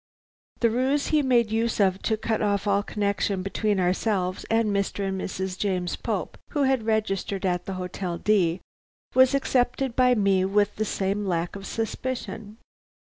"The ruse he made use of to cut off all connection between ourselves and the Mr. and Mrs. James Pope who had registered at the Hotel D was accepted by me with the same lack of suspicion.